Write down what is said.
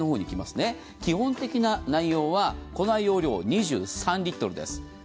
基本的な内容は、庫内容量２３リットルです。